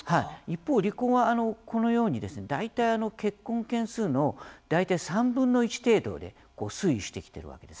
一方、離婚はこのように大体、結婚件数の３分の１程度で推移してきているわけですね。